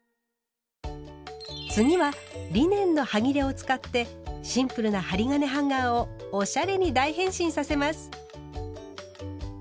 次はリネンのはぎれを使ってシンプルな針金ハンガーをおしゃれに大変身させます。